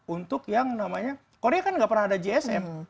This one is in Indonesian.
untuk yang namanya korea kan nggak pernah ada gsm